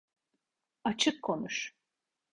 Açık konuş.